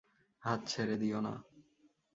হাত ছেড়ে দিও না।